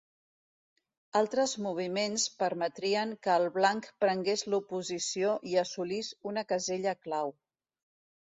Altres moviments permetrien que el blanc prengués l'oposició i assolís una casella clau.